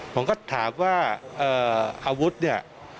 ผมก็ถามว่าอาวุธเนี่ย